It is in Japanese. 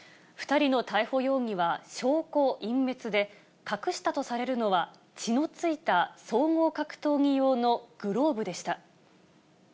２人の逮捕容疑は証拠隠滅で、隠したとされるのは、血のついた総合格闘技用のグローブでした。